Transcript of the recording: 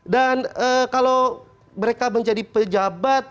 dan kalau mereka menjadi pejabat